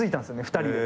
２人で。